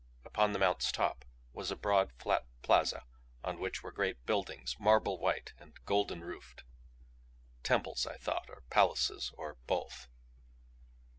Upon the mount's top was a broad, flat plaza on which were great buildings, marble white and golden roofed; temples I thought, or palaces, or both.